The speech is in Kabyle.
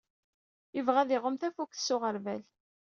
Ibɣa ad iɣumm tafukt s uɣerbal.